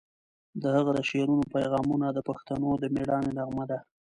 د هغه د شعرونو پیغامونه د پښتنو د میړانې نغمه ده.